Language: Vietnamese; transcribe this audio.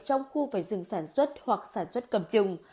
trong khu phải dừng sản xuất hoặc sản xuất cầm trừng